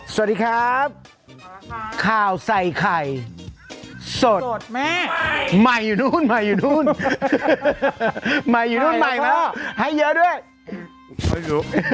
สวัสดีครับข่าวใส่ไข่สดสดแม่ใหม่อยู่นู่นใหม่อยู่นู่นใหม่อยู่นู่นใหม่แม่ให้เยอะด้วยอายุ